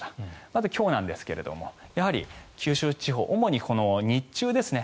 まず今日なんですがやはり九州地方主に日中ですね。